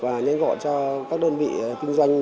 và nhanh gọi cho các đơn vị kinh doanh